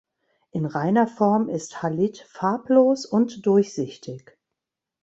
In reiner Form ist Halit farblos und durchsichtig.